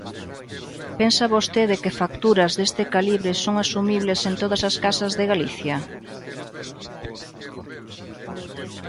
¿Pensa vostede que facturas deste calibre son asumibles en todas as casas de Galicia?